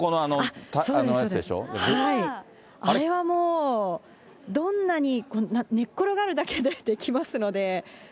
そうです、あれはもう、どんなに寝っ転がるだけできますので。